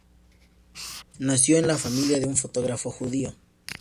Nació en la familia de un fotógrafo judío.